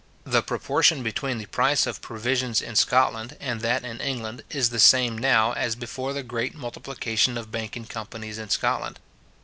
The proportion between the price of provisions in Scotland and that in England is the same now as before the great multiplication of banking companies in Scotland.